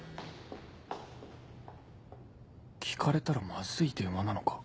聞かれたらマズい電話なのか？